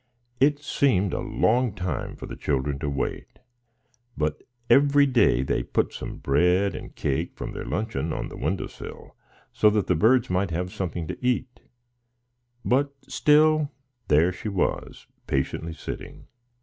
It seemed a long time for the children to wait; but every day they put some bread and cake from their luncheon on the window sill, so that the birds might have something to eat; but still there she was, patiently sitting!